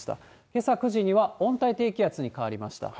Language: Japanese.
けさ９時には温帯低気圧に変わりました。